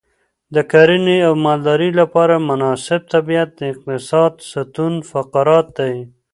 د کرنې او مالدارۍ لپاره مناسب طبیعت د اقتصاد ستون فقرات دی.